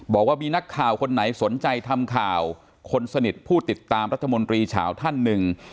บอกว่ามีนักข่าวคนไหนสนใจทำข่าวคนสนิทผู้ติดตามรัฐมนตรีเฉาท่านหนึ่ง